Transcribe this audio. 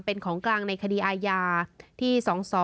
เป็นของกลางในคดีอายาที่๒๒๒๘๒๕๕๙